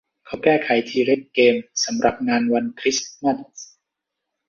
เขาได้แก้ไขทีเร็กซ์เกมสำหรับงานวันคริสต์มาส